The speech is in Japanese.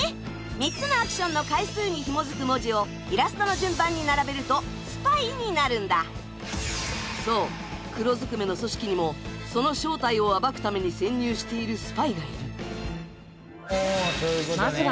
３つのアクションの回数にひもづく文字をイラストの順番に並べると「スパイ」になるんだそう黒ずくめの組織にもその正体を暴くために潜入しているスパイがいる